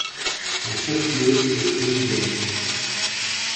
Son chef-lieu est Uelzen.